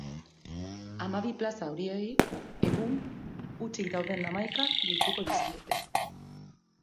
Hamabi plaza horiei egun hutsik dauden hamaika gehituko dizkiete.